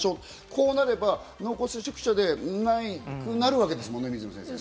こうなれば濃厚接触者でなくなるわけですもんね、水野先生。